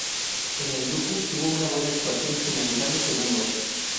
En el grupo tuvo una buena actuación, finalizando segundo.